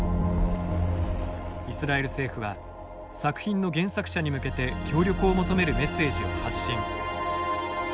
イスラエル政府は作品の原作者に向けて協力を求めるメッセージを発信。